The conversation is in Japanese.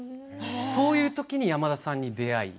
そういったときに山田さんに出会い